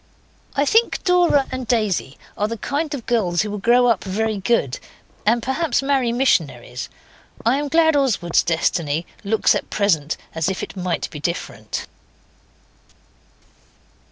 I think Dora and Daisy are the kind of girls who will grow up very good, and perhaps marry missionaries. I am glad Oswald's destiny looks at present as if it might be different.